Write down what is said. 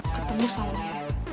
ketemu sama dia